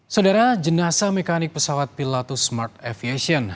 saudara jenazah mekanik pesawat pilatus smart aviation